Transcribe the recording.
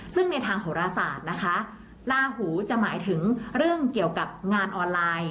ซึ่งในทางโหรศาสตร์นะคะลาหูจะหมายถึงเรื่องเกี่ยวกับงานออนไลน์